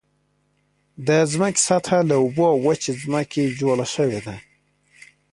د ځمکې سطحه له اوبو او وچې ځمکې جوړ شوې ده.